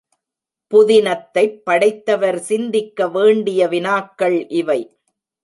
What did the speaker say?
புதினத்தைப் படைத்தவர் சிந்திக்க வேண்டிய வினாக்கள் இவை.